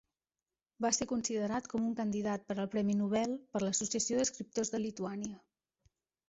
Va ser considerat com un candidat per al Premi Nobel per l'Associació d'Escriptors de Lituània.